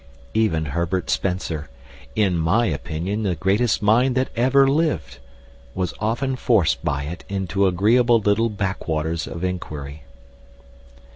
Even Herbert Spencer, in my opinion the greatest mind that ever lived, was often forced by it into agreeable little backwaters of inquiry.